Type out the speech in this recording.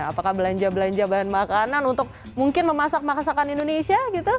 apakah belanja belanja bahan makanan untuk mungkin memasak masakan indonesia gitu